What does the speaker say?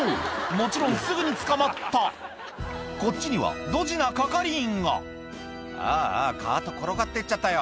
もちろんすぐに捕まったこっちにはドジな係員が「ああカート転がって行っちゃったよ」